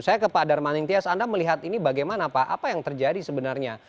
saya ke pak darmaning tias anda melihat ini bagaimana pak apa yang terjadi sebenarnya